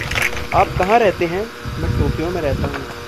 "आप कहाँ रहते हैं?" "मैं टोक्यो में रहता हूँ"